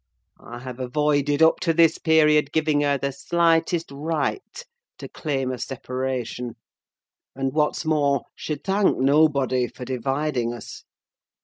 I have avoided, up to this period, giving her the slightest right to claim a separation; and, what's more, she'd thank nobody for dividing us.